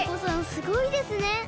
すごいですね！